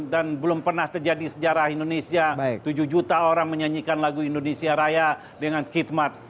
dan belum pernah terjadi sejarah indonesia tujuh juta orang menyanyikan lagu indonesia raya dengan khidmat